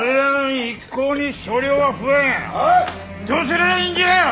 どうすりゃいいんじゃ！